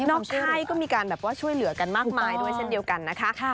นอกค่ายก็มีการแบบว่าช่วยเหลือกันมากมายด้วยเช่นเดียวกันนะคะ